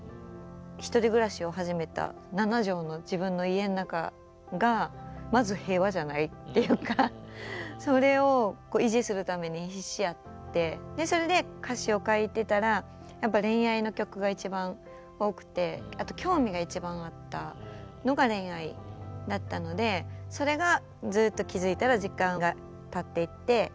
１人暮らしを始めた７畳の自分の家の中がまず平和じゃないっていうかそれを維持するために必死やってそれで歌詞を書いてたらやっぱ恋愛の曲が一番多くてあと興味が一番あったのが恋愛だったのでそれがずっと気付いたら時間がたっていって。